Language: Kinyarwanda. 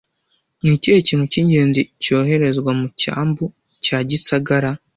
Ni ikihe kintu cy'ingenzi cyoherezwa mu cyambu cya gisagara